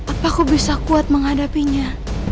apa aku bisa kuat menghadapinya